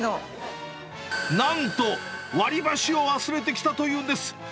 なんと、割り箸を忘れてきたというんです。